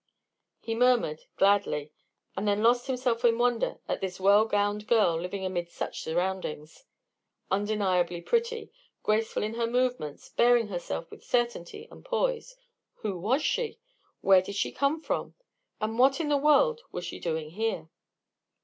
He murmured "Gladly," and then lost himself in wonder at this well gowned girl living amid such surroundings. Undeniably pretty, graceful in her movements, bearing herself with certainty and poise who was she? Where did she come from? And what in the world was she doing here?